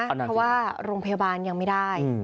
เพราะว่าโรงพยาบาลยังไม่ได้